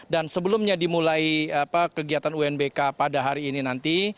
dan sebelumnya dimulai kegiatan unbk pada hari ini nanti